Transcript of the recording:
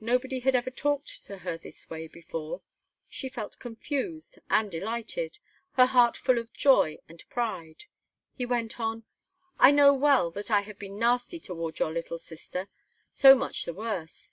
Nobody had ever before talked to her in this way. She felt confused and delighted, her heart full of joy and pride. He went on: "I know well that I have been nasty toward your little sister. So much the worse.